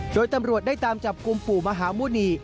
โดยตำรวจได้ตามจับกลุ่มปู่มหาหมุณี